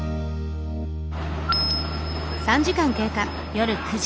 夜９時。